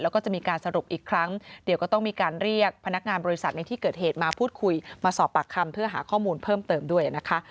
แล้วก็จะมีการสรุปอีกครั้งเดี๋ยวก็ต้องมีการเรียกพนักงานบริษัทในที่เกิดเหตุมาพูดคุย